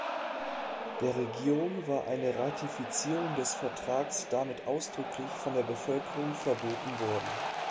Der Regierung war eine Ratifizierung des Vertrags damit ausdrücklich von der Bevölkerung verboten worden.